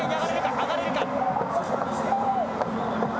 上がれるか？